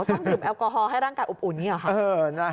ต้องดื่มแอลกอฮอล์ให้ร่างกายอุบอุ่นนี่หรือครับ